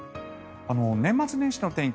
年末年始の天気